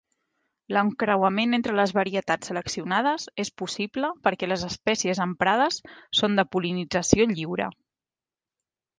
L'encreuament entre les varietats seleccionades és possible perquè les espècies emprades són de pol·linització lliure.